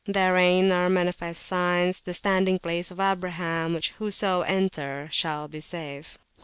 Therein (fihi) are manifest signs, the standing place of Abraham, which whoso entereth shall be safe (Kor.